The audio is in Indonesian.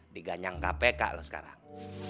diganyang kpk lu sekarang